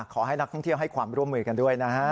ขอให้นักท่องเที่ยวให้ความร่วมมือกันด้วยนะฮะ